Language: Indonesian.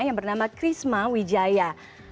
yang bernama krisma wijaya